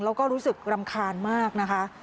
แล้วก็รู้สึกรำคาญมากนะคะ